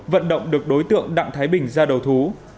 vận động được đối tượng đặng thái bình ra đầu thú